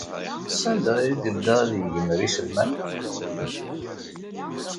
Sanda ay yedda ad yegmer iselman?